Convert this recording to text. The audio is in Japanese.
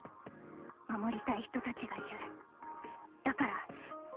守りたい人たちがいる。